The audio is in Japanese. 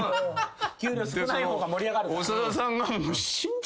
給料少ない方が盛り上がるから。